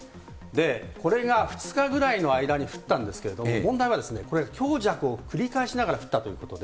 これが２日ぐらいの間に降ったんですけれども、問題はこれ、強弱を繰り返しながら降ったということで。